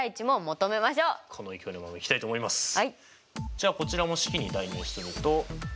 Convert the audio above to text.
じゃあこちらも式に代入すると。